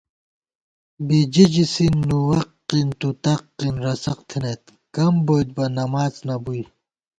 بججس، نوَق، تُتق، رسق تھنَئیت کم بُوئیتبہ نماڅ نہ بُوئی